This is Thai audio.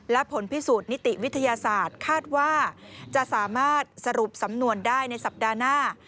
และผลพิสูจน์นิติวิทยาศาสตร์คาดว่าจะสามารถสรุปสำนวนได้ในสัปดาห์หน้า